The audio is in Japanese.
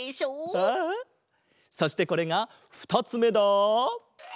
そしてこれがふたつめだ。